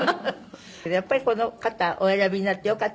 やっぱりこの方お選びになってよかったですか？